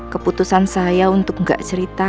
keputusan saya untuk gak cerita